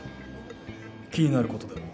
気になることでも？